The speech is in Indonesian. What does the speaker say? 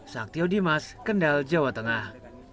saktio dimas kendal jawa tengah